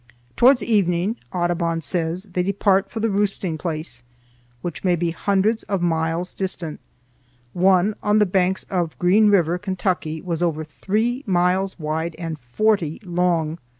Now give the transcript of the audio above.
"Toward evening," Audubon says, "they depart for the roosting place, which may be hundreds of miles distant. One on the banks of Green River, Kentucky, was over three miles wide and forty long."